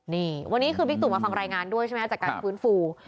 นี่วันนี้คือบิ๊กตุมาฟังรายงานด้วยใช่ไหมจากการฟื้นฟู